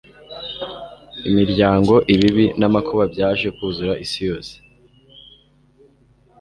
imiryango ibibi namakuba byaje kuzura isi yose